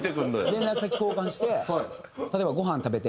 連絡先交換して例えば。